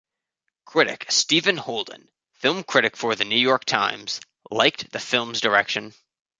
Critic Stephen Holden, film critic for "The New York Times", liked the film's direction.